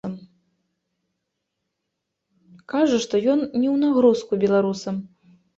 Кажа, што ён не ў нагрузку беларусам.